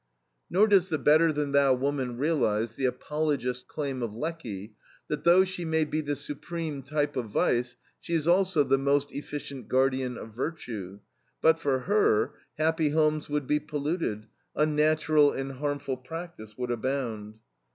Nor does the better than thou woman realize the apologist claim of Lecky that "though she may be the supreme type of vice, she is also the most efficient guardian of virtue. But for her, happy homes would be polluted, unnatural and harmful practice would abound."